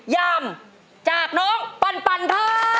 ยามจากน้องปันค่ะ